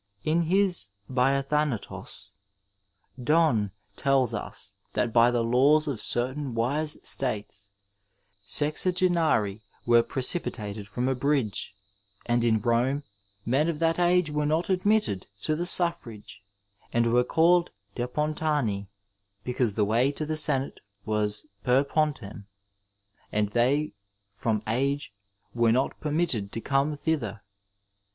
In his Biathan atoB Donne tells us that by the laws of certain wise states sezagenarii were precipitated from a bridge, and in Some men of that age were not admitted to the safErage and they were called Depaniani because the way to the senate was per pofitemy and they from age were not permitted to come thither.